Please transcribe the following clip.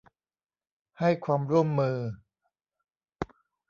ให้ความร่วมมือ